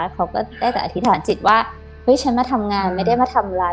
เขาก็ได้แต่อธิษฐานจิตว่าเฮ้ยฉันมาทำงานไม่ได้มาทำร้าย